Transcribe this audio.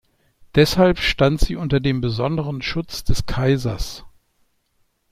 Deshalb stand sie unter dem besonderen Schutz des Kaisers.